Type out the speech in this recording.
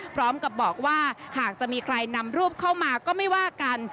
พร้อมกับบอกว่าหากจะมีใครนำรูปเข้ามาก็ไม่ว่ากัน